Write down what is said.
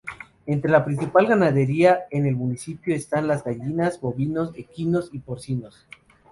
Entre la principal ganadería en el municipio están las gallinas, bovinos, equinos y porcinos.